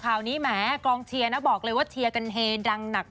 คราวนี้หมาะกองเชียงน่ะบอกเลยว่าเชียร์กะเฮดังหนักมาก